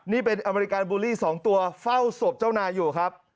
นี่เป็นอเมริกาบูลลี่๒ตัวเฝ้าศพเจ้านายอยู่ครับ